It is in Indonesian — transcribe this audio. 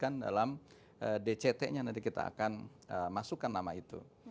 kita akan lanjutkan dalam dct nya nanti kita akan masukkan nama itu